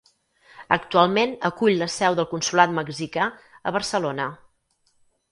Actualment acull la seu del Consolat Mexicà a Barcelona.